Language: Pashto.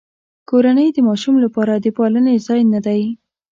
کورنۍ د ماشوم لپاره د پالنې ځای نه دی.